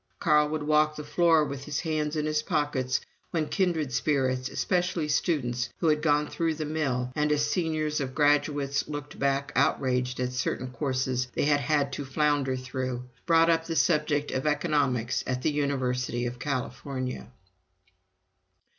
Carl would walk the floor with his hands in his pockets when kindred spirits especially students who had gone through the mill, and as seniors or graduates looked back outraged at certain courses they had had to flounder through brought up the subject of Economics at the University of California.